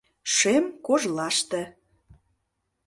Шем кожлаште